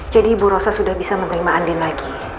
jadi ibu rosa sudah bisa menerima andin lagi